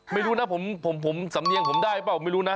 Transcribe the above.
ไม่รู้นะผมสำเนียงผมได้เปล่าไม่รู้นะ